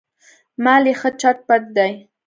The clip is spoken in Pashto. مال یې ښه چت پت دی.